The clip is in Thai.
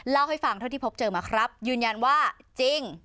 เล่าให้ฟังเท่าที่พบเจอมาครับยืนยันว่าจริง